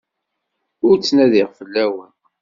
Ur ttnadiɣ fell-awen.